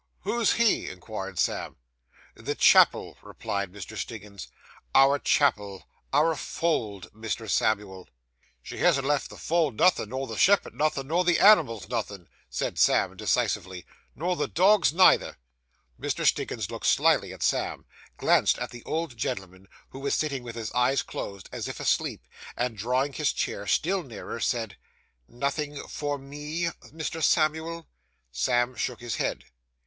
'Who's he?' inquired Sam. 'The chapel,' replied Mr. Stiggins; 'our chapel; our fold, Mr. Samuel.' 'She hasn't left the fold nothin', nor the shepherd nothin', nor the animals nothin',' said Sam decisively; 'nor the dogs neither.' Mr. Stiggins looked slily at Sam; glanced at the old gentleman, who was sitting with his eyes closed, as if asleep; and drawing his chair still nearer, said 'Nothing for me, Mr. Samuel?' Sam shook his head.